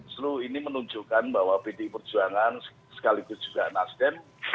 seluruh ini menunjukkan bahwa pd perjuangan sekaligus juga nasdem